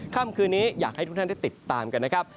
ค่ำคืนนี้อยากให้ทุกท่านได้ติดตามกันนะครับ